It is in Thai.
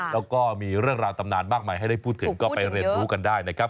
แล้วก็มีเรื่องราวตำนานมากมายให้ได้พูดถึงก็ไปเรียนรู้กันได้นะครับ